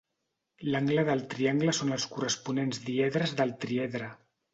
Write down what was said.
L'angle del triangle són els corresponents diedres del triedre.